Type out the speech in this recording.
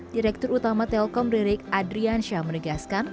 direktur utama telkom ririk adrian syamregaskan